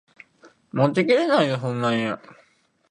持ちきれないよそんなに